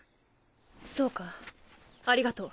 そうかありがとう。